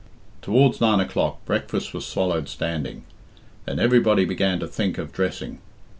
Towards nine o'clock breakfast was swallowed standing. Then everybody began to think of dressing.